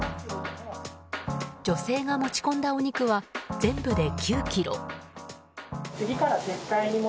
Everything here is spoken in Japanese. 女性が持ち込んだお肉は全部で９ｋｇ。